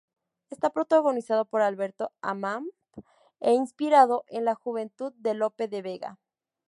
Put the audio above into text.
Está protagonizado por Alberto Ammann e inspirado en la juventud de Lope de Vega.